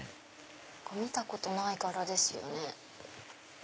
見たことない柄ですよね。